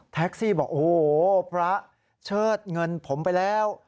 แท็กซี่บอกโอ้โหพระเชิดเงินผมไปแล้ว